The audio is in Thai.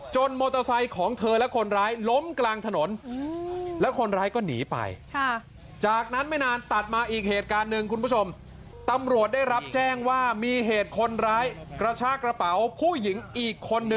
จนมอเตอร์ไซส์ของเธอและคนร้ายล้มกลางถนนแล้วคนร้ายก็หนีไป